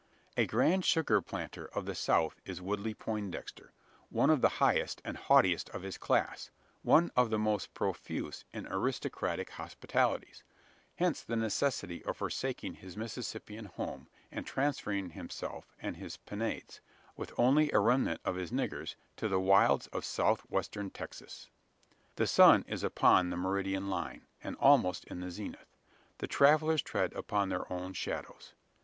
A grand sugar planter of the South is Woodley Poindexter; one of the highest and haughtiest of his class; one of the most profuse in aristocratic hospitalities: hence the necessity of forsaking his Mississippian home, and transferring himself and his "penates," with only a remnant of his "niggers," to the wilds of south western Texas. The sun is upon the meridian line, and almost in the zenith. The travellers tread upon their own shadows.